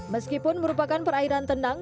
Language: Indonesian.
meskipun merupakan perairan tenang